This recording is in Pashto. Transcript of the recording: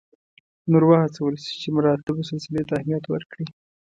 نور وهڅول شي چې مراتبو سلسلې ته اهمیت ورکړي.